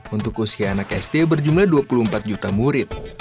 untuk usia anak sd berjumlah dua puluh empat juta murid